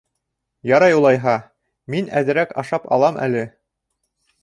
— Ярай, улайһа, мин әҙерәк ашап алам әле.